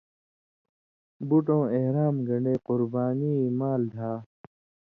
بُٹوں احرام گن٘ڈے قربانیں مال دھا،